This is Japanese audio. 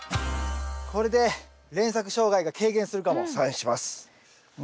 これで連作障害が軽減するかも。